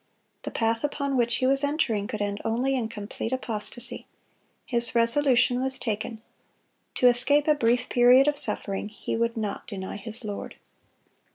The path upon which he was entering could end only in complete apostasy. His resolution was taken: to escape a brief period of suffering he would not deny his Lord.